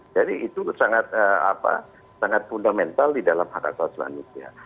jadi itu sangat fundamental di dalam hak asal selanjutnya